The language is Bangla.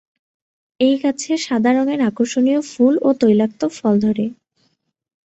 এই গাছে সাদা রংয়ের আকর্ষনীয় ফুল ও তৈলাক্ত ফল ধরে।